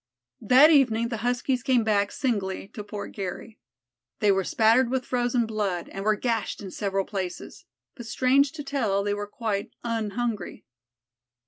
That evening the Huskies came back singly to Fort Garry. They were spattered with frozen blood, and were gashed in several places. But strange to tell they were quite "unhungry."